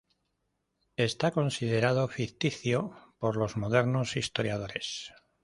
Está considerado ficticio por los modernos historiadores.